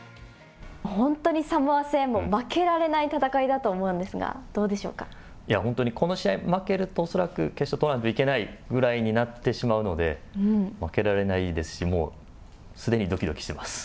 本当にサモア戦、負けられない戦いだと思うんですが、どうでしょいや、本当にこの試合負けると、恐らく決勝トーナメント行けないぐらいになってしまうので、負けられないですし、もうすでにどきどきしています。